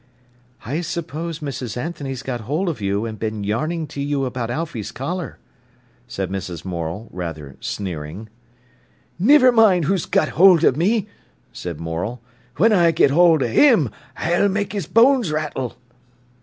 "I suppose Mrs. Anthony's got hold of you and been yarning to you about Alfy's collar," said Mrs. Morel, rather sneering. "Niver mind who's got hold of me," said Morel. "When I get hold of 'im I'll make his bones rattle."